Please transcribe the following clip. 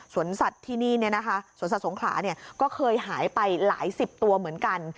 สวนสัตว์ที่นี่เนี่ยนะคะสวนสัตว์สงขลาเนี่ยก็เคยหายไปหลายสิบตัวเหมือนกัน